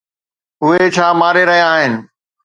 اهي ڇا ماري رهيا آهن؟